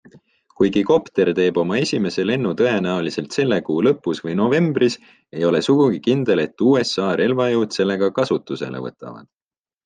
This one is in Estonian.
Kuigi kopter teeb oma esimese lennu tõenäoliselt selle kuu lõpus või novembris, ei ole sugugi kindel, et USA relvajõud selle ka kasutusele võtavad.